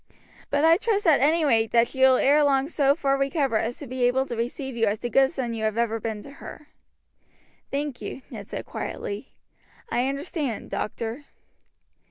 But I trust at any rate that she will ere long so far recover as to be able to receive you as the good son you have ever been to her." "Thank you," Ned said quietly. "I understand, doctor."